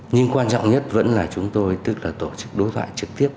nhưng quan trọng nhất vẫn là chúng tôi tức là tổ chức đối thoại trực tiếp